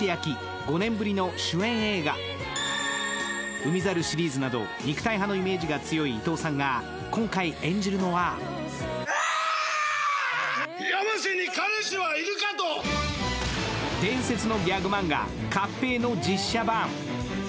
「海猿」シリーズなど肉体派のイメージが強い伊藤さんが今回演じるのは伝説のギャグマンガ「ＫＡＰＰＥＩ」の実写版。